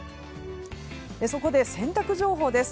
そこで洗濯情報です。